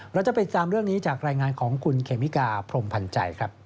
เราจะไปตามเรื่องนี้จากรายงานของคุณเคมิกาพรมพันธ์ใจครับ